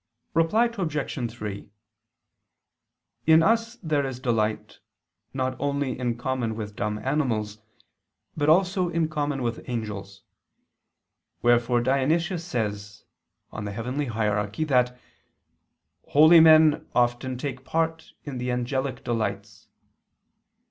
Reply Obj. 3: In us there is delight, not only in common with dumb animals, but also in common with angels. Wherefore Dionysius says (De Coel. Hier.) that "holy men often take part in the angelic delights."